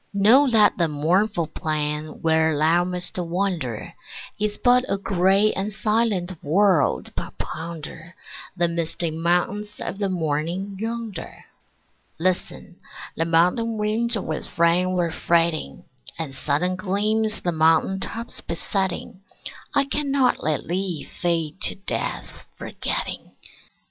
Know that the mournful plain where thou must wander Is but a gray and silent world, but ponder The misty mountains of the morning yonder. Listen: the mountain winds with rain were fretting, And sudden gleams the mountain tops besetting. I cannot let thee fade to death, forgetting.